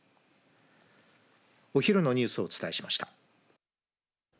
お昼のニュースをお伝えしました。